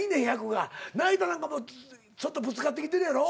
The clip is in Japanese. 成田なんかちょっとぶつかってきてるやろ。